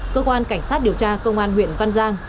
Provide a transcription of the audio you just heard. cơ quan cảnh sát điều tra công an huyện văn giang